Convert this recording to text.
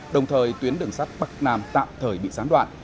đồng thời tuyến đường sắt bắc nam tạm thời bị gián đoạn